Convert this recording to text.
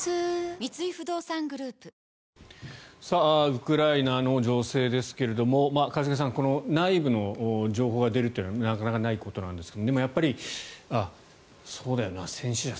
ウクライナの情勢ですけれども一茂さん内部の情報が出るというのはなかなかないことなんですがでもやっぱりそうだよな、戦死者